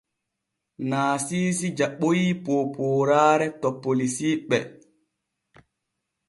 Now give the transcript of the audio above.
Naasiisi jaɓoy poopooraare to polisiiɓe.